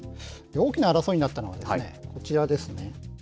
大きな争いになったのは、こちらですね。